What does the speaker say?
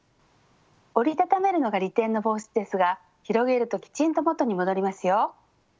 折りたためるのが利点の帽子ですが広げるときちんと元に戻りますよ。